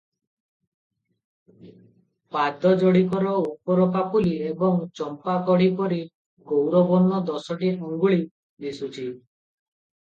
ପାଦ ଯୋଡିକର ଉପର ପାପୁଲି ଏବଂ ଚମ୍ପାକଢି ପରି ଗୌରବର୍ଣ୍ଣ ଦଶଟି ଆଙ୍ଗୁଳି ଦିଶୁଛି ।